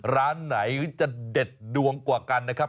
ร้านไหนจะเด็ดดวงกว่ากันนะครับ